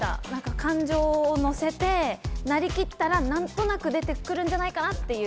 感情を乗せて、なりきったら何となく出てくるんじゃないかなっていう。